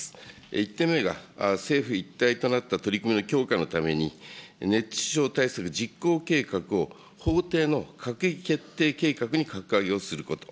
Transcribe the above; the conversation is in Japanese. １点目が、政府一体となった取り組みの強化のために、熱中症対策の実行計画をほうていの閣議決定計画に格上げをすること。